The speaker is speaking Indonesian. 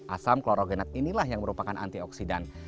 asam klorogenat inilah yang merupakan antioksidan